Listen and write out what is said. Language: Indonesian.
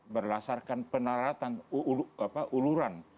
berdasarkan penelaran uluran